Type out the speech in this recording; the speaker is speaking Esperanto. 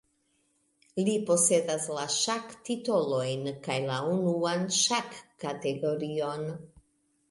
Li posedas la ŝak-titolojn kaj la unuan ŝak-kategorion.